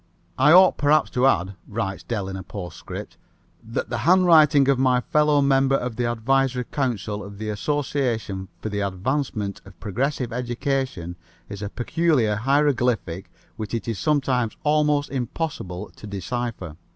"I ought perhaps to add," writes Dell in a postscript, "that the handwriting of my fellow member of the advisory council of the Association for the Advancement of Progressive Education is a peculiar hieroglyphic which it is sometimes almost impossible to decipher.